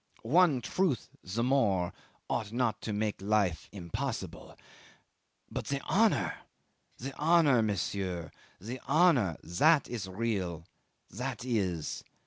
One truth the more ought not to make life impossible. ... But the honour the honour, monsieur! ... The honour ... that is real that is!